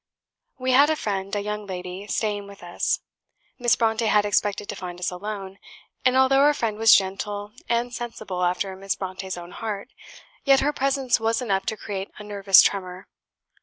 We had a friend, a young lady, staying with us. Miss Brontë had expected to find us alone; and although our friend was gentle and sensible after Miss Brontë's own heart, yet her presence was enough to create a nervous tremour.